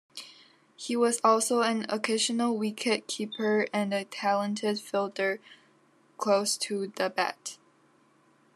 He was also an occasional wicket-keeper and a talented fielder close to the bat.